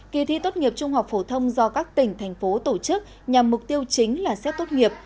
kỳ thi tốt nghiệp trung học phổ thông do các tỉnh thành phố tổ chức nhằm mục tiêu chính là xét tốt nghiệp